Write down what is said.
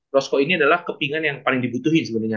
roscoe ini adalah kepingan yang paling dibutuhin sebenernya